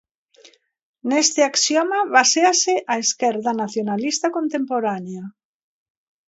Neste axioma baséase a esquerda nacionalista contemporánea.